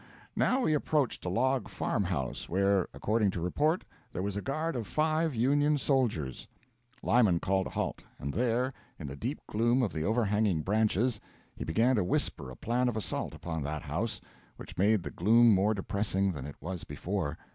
Now we approached a log farm house where, according to report, there was a guard of five Union soldiers. Lyman called a halt; and there, in the deep gloom of the overhanging branches, he began to whisper a plan of assault upon that house, which made the gloom more depressing than it was before.